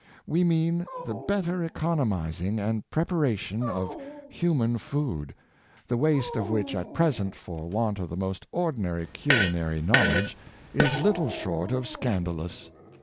We mean the better economizing and preparation of human food, the waste of which at present, for want of the most ordinary culi nary knowledge, is little short of scandalous.